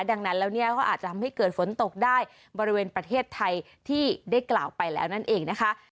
ดังนั้นแล้วเนี่ยก็อาจจะทำให้เกิดฝนตกได้บริเวณประเทศไทยที่ได้กล่าวไปแล้วนั่นเองนะคะ